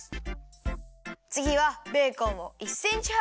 つぎはベーコンを１センチはばにきるよ。